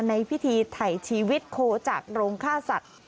ในพิธีถ่ายชีวิตโคจากโรงฆ่าสัตว์